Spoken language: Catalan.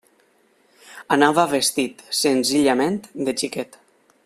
Anava vestit, senzillament, de xiquet.